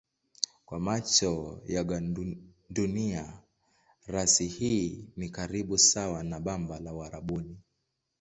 Kwa macho ya gandunia rasi hii ni karibu sawa na bamba la Uarabuni.